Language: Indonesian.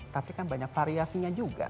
tapi kan banyak variasinya juga